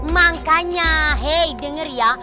makanya hey denger ya